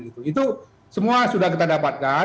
itu semua sudah kita dapatkan